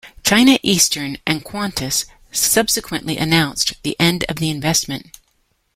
China Eastern and Qantas subsequently announced the end of the investment.